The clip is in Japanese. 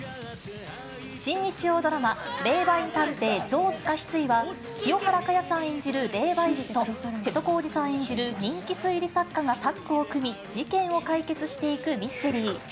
新日曜ドラマ、霊媒探偵・城塚翡翠は、清原果耶さん演じる霊媒師と、瀬戸康史さん演じる人気推理作家がタッグを組み、事件を解決していくミステリー。